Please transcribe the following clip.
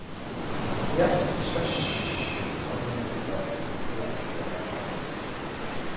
いや、しかし、ことに依ると、いや、それもわからない、